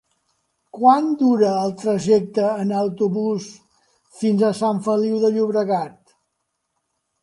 Quant dura el trajecte en autobús fins a Sant Feliu de Llobregat?